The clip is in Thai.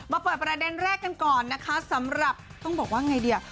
เปิดประเด็นแรกกันก่อนนะคะสำหรับต้องบอกว่าไงดี